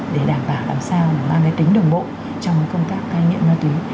để đảm bảo làm sao để mang lại tính đồng bộ trong cái công tác thay nghiệm ma túy